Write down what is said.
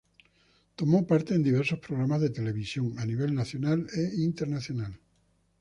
Tomó parte en diversos programas de televisión a nivel nacional e internacional.